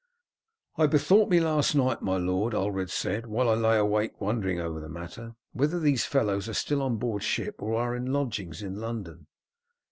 "I bethought me last night, my lord," Ulred said, "while I lay awake wondering over the matter, whether these fellows are still on board ship or are in lodgings in London."